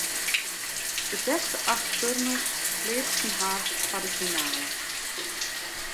De bêste acht turners pleatsten har foar de finale.